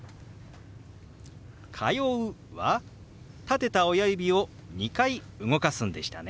「通う」は立てた親指を２回動かすんでしたね。